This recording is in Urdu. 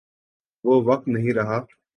وہ وقت نہیں رہا۔